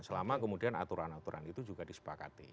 selama kemudian aturan aturan itu juga disepakati